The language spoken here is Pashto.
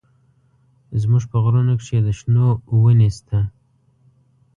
زموږ په غرونو کښې د شنو ونې سته.